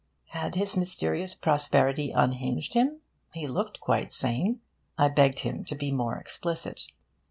Had his mysterious prosperity unhinged him? He looked quite sane. I begged him to be more explicit.